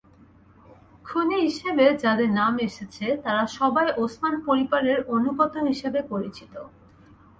খুনি হিসেবে যাদের নাম এসেছে, তারা সবাই ওসমান পরিবারের অনুগত হিসেবে পরিচিত।